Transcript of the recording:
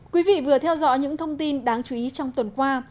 quý vị vừa theo dõi những thông tin đáng chú ý trong tuần qua